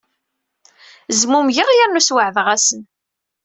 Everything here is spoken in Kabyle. Zmumgeɣ yernu sweɛdeɣ-asen.